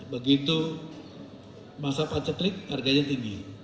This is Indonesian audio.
begitu masa paceklik harganya tinggi